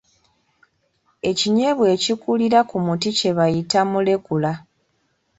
Ekinyeebwa ekikulira ku muti kye bayita mulekula.